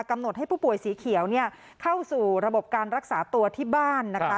กำหนดให้ผู้ป่วยสีเขียวเข้าสู่ระบบการรักษาตัวที่บ้านนะคะ